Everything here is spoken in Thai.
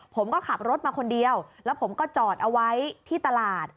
ผมก็ขับรถมาคนเดียวแล้วผมก็จอดเอาไว้ที่ตลาด